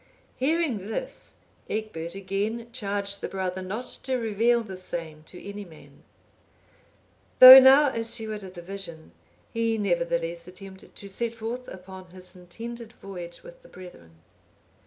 Hearing this, Egbert again charged the brother not to reveal the same to any man. Though now assured of the vision, he nevertheless attempted to set forth upon his intended voyage with the brethren.